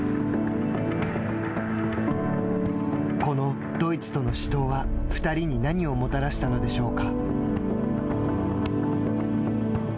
このドイツとの死闘は２人に何をもたらしたのでしょうか。